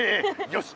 よし！